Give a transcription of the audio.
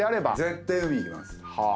絶対海行きます。